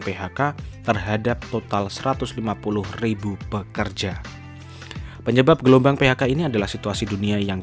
phk terhadap total satu ratus lima puluh pekerja penyebab gelombang phk ini adalah situasi dunia yang